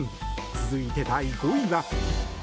続いて、第５位は。